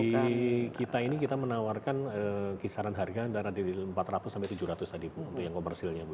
di kita ini kita menawarkan kisaran harga antara dari empat ratus sampai tujuh ratus tadi bu untuk yang komersilnya bu